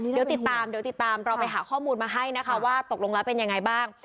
เดี๋ยวติดตามเราไปหาข้อมูลมาให้นะคะว่าตกลงแล้วเป็นยังไงบ้าง